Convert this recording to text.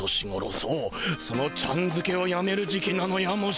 そうそのちゃんづけをやめる時期なのやもしれん。